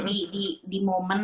susah sih di momen